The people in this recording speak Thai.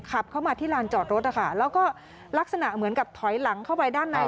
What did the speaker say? ขับเข้ามาที่ลานจอดรถนะคะแล้วก็ลักษณะเหมือนกับถอยหลังเข้าไปด้านใน